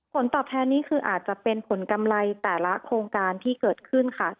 ผลตอบแทนนี้คืออาจจะเป็นผลกำไรแต่ละโครงการที่เกิดขึ้นค่ะ